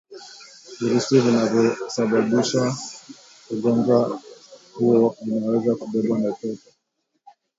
Virusi vinavyosababisha ugonjwa huo vinaweza kubebwa na upepo